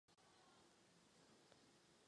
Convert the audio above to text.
Je to druhé největší jezero v zemi.